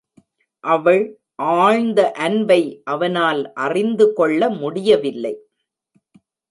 அவள் ஆழ்ந்த அன்பை அவனால் அறிந்து கொள்ள முடியவில்லை.